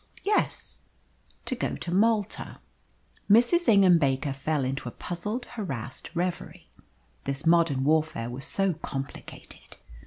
"Yes, to go to Malta." Mrs. Ingham Baker fell into a puzzled, harassed reverie. This modern warfare was so complicated.